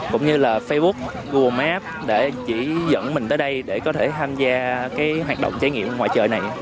cũng như là facebook google maps để chỉ dẫn mình tới đây để có thể tham gia hoạt động trải nghiệm ngoại trời này